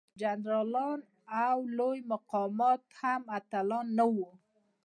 جنرالان او لوی مقامات هم اتلان نه وو.